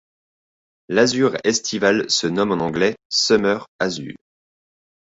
L'Azur estival se nomme en anglais Summer Azure.